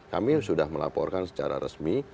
kami sudah melaporkan secara resmi